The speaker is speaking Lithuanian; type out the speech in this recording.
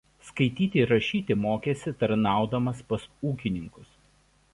Skaityti ir rašyti mokėsi tarnaudamas pas ūkininkus.